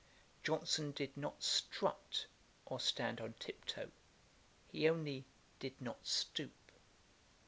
Johnson did not strut or stand on tip toe: He only did not stoop.